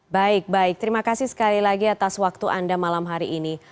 baik baik terima kasih sekali lagi atas waktu anda malam hari ini